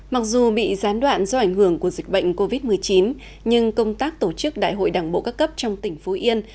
mặc dù bị gián đoạn do ảnh hưởng của dịch bệnh covid một mươi chín nhưng công tác tổ chức đại hội đảng bộ các cấp trong tỉnh phú yên